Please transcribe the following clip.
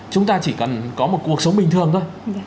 chúng ta chỉ cần có một cuộc sống bình thường thôi